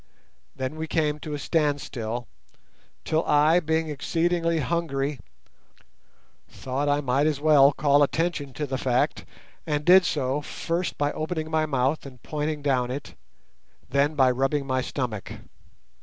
Then we came to a standstill, till I, being exceedingly hungry, thought I might as well call attention to the fact, and did so first by opening my mouth and pointing down it, and then rubbing my stomach.